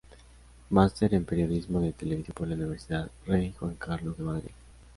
Máster en Periodismo de Televisión por la Universidad Rey Juan Carlos de Madrid.